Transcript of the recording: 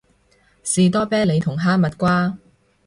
士多啤梨同哈蜜瓜